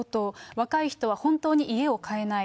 若い人は本当に家を買えない。